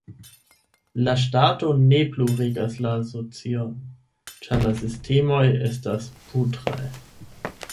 La ŝtato ne plu regas la socion ĉar la sistemoj estas putraj.